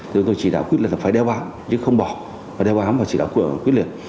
chúng tôi chỉ đảm quyết liệt là phải đeo bám chứ không bỏ đeo bám và chỉ đảm quyết liệt